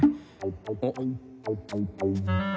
あっ。